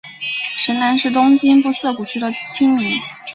神南是东京都涩谷区的町名。